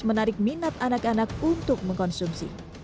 menarik minat anak anak untuk mengkonsumsi